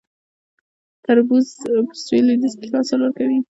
تربوز په سویل لویدیځ کې ښه حاصل ورکوي